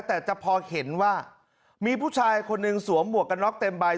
แต่จะพอเห็นว่ามีผู้ชายคนหนึ่งสวมหมวกกันน็อกเต็มใบ